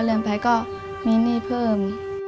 เรียนไปก็มีหนี้เพิ่ม